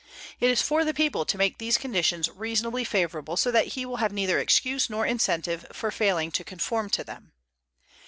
It is for the people to make these conditions reasonably favorable so that he will have neither excuse nor incentive for failing to conform to them.